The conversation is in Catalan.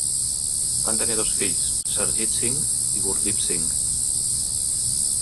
Van tenir dos fills, Sarjit Singh i Gurdip Singh.